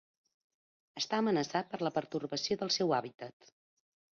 Està amenaçat per la pertorbació del seu hàbitat.